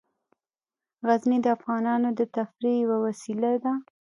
غزني د افغانانو د تفریح یوه وسیله ده.